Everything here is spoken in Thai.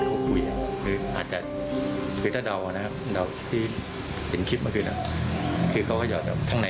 ไม่รู้แต่ได้ยินเสียงดัง